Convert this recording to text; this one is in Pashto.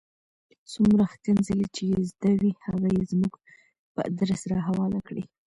څومره ښکنځلې چې یې زده وې هغه یې زموږ په آدرس را حواله کړې.